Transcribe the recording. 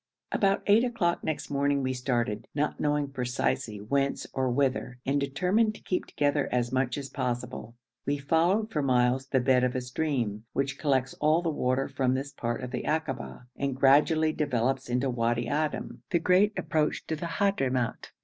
About 8 o'clock next morning we started, not knowing precisely whence or whither, and determined to keep together as much as possible. We followed for miles the bed of a stream, which collects all the water from this part of the akaba, and gradually develops into Wadi Adim, the great approach to the Hadhramout.